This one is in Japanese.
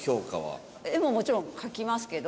絵ももちろん描きますけど